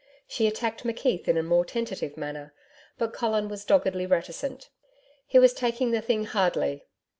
She attacked McKeith in a more tentative manner, but Colin was doggedly reticent. He was taking the thing hardly.